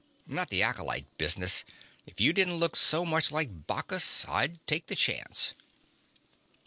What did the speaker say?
Not the acolyte business if you didn't look so much like Bacchus, I'd take the chance."